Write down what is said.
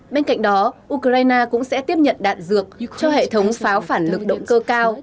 bên cạnh đó ukraine cũng sẽ tiếp nhận đạn dược cho hệ thống pháo phản lực động cơ cao